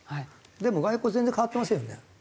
でも外交全然変わってませんよね？